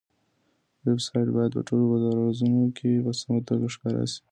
ویب سایټ باید په ټولو براوزرونو کې په سمه توګه ښکاره شي.